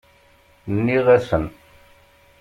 Nniɣ-asen!